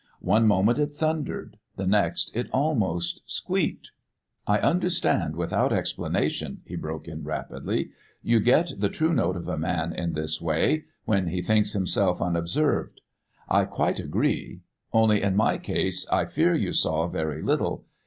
One moment it thundered, the next it almost squeaked. "I understand without explanation," he broke in rapidly. "You get the true note of a man in this way when he thinks himself unobserved. I quite agree. Only, in my case, I fear, you saw very little.